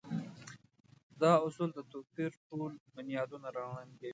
دا اصول د توپير ټول بنيادونه ړنګوي.